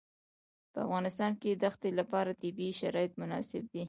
په افغانستان کې د ښتې لپاره طبیعي شرایط مناسب دي.